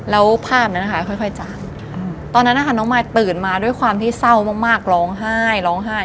แล้วภาพนั้นนะคะค่อยจากตอนนั้นนะคะน้องมายตื่นมาด้วยความที่เศร้ามากร้องไห้ร้องไห้